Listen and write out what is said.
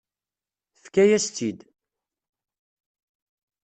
Tefka-yas-tt-id.